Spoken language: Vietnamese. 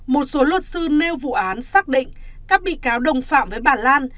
một số luật sư nêu vụ án xác định các bị cáo đồng phạm với bà lan